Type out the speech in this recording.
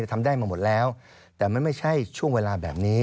ทำได้มาหมดแล้วแต่มันไม่ใช่ช่วงเวลาแบบนี้